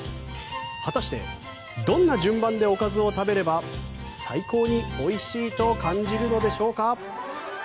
果たしてどんな順番でおかずを食べれば最高においしいと感じるのでしょうか？